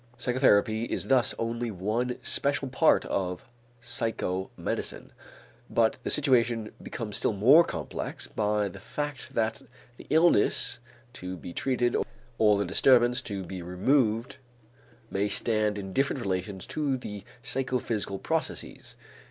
Psychotherapy is thus only one special part of psychomedicine. But the situation becomes still more complex by the fact that the illness to be treated or the disturbance to be removed may stand in different relations to the psychophysical processes.